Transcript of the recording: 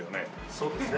そうですね。